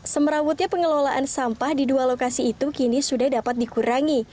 semerawutnya pengelolaan sampah di dua lokasi itu kini sudah dapat dikurangi